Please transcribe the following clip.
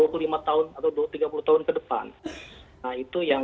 nah itu yang harusnya menjadi dasar dalam penataan ruang